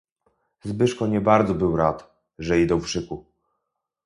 "Zbyszko nie bardzo był rad, że idą w szyku."